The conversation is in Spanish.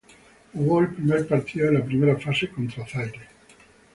Jugó el primer partido de la primera fase contra Zaire.